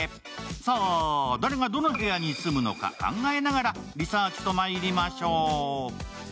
さあ、誰がどの部屋に住むのか考えながらリサーチとまいりましょう。